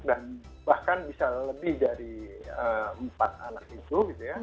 dan bahkan bisa lebih dari empat anak itu gitu ya